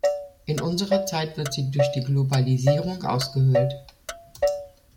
In unserer Zeit wird sie durch die Globalisierung ausgehöhlt.